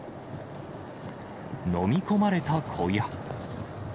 のみこまれた小屋。